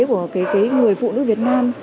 của người phụ nữ việt nam